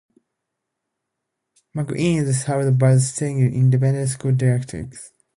McQueeney is served by the Seguin Independent School District.